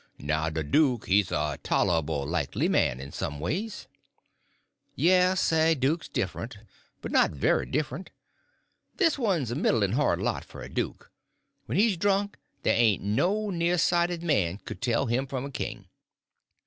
"Now de duke, he's a tolerble likely man in some ways." "Yes, a duke's different. But not very different. This one's a middling hard lot for a duke. When he's drunk there ain't no near sighted man could tell him from a king."